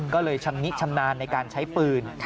ก็เลยชำนิชำนาญในการใช้ปืน